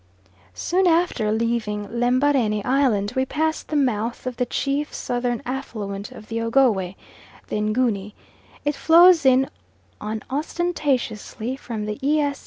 Soon after leaving Lembarene Island, we pass the mouth of the chief southern affluent of the Ogowe, the Ngunie; it flows in unostentatiously from the E.